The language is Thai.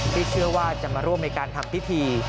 ที่เชื่อว่าจะมาร่วมในการทำพิธี